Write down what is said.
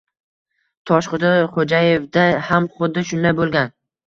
Toshxo‘ja Xo‘jayevda ham xuddi shunday bo‘lgan.